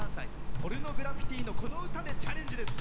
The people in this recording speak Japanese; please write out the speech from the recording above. ポルノグラフィティのこの歌でチャレンジです。